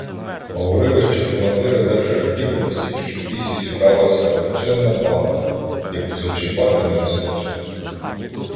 Говорили, що командир одержав відомості, що в лісі зібралася величезна банда, яку зачіпати небезпечно.